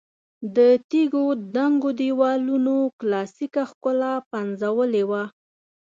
د تیږو دنګو دېوالونو کلاسیکه ښکلا پنځولې وه.